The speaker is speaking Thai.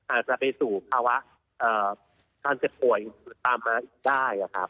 อาจจะไปสู่ภาวะการเจ็บป่วยตามมาอีกได้ครับ